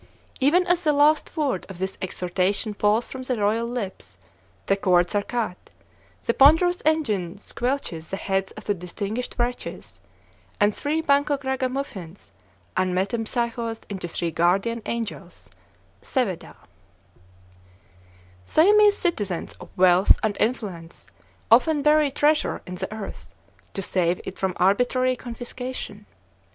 Even as the last word of this exhortation falls from the royal lips, the cords are cut, the ponderous engine "squelches" the heads of the distinguished wretches, and three Bangkok ragamuffins are metempsychosed into three guardian angels (Thevedah). Siamese citizens of wealth and influence often bury treasure in the earth, to save it from arbitrary confiscation.